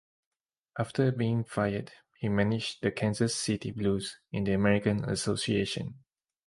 After being fired, he managed the Kansas City Blues in the American Association.